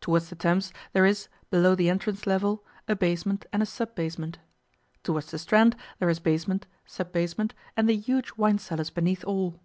Towards the Thames there is, below the entrance level, a basement and a sub basement. Towards the Strand there is basement, sub basement, and the huge wine cellars beneath all.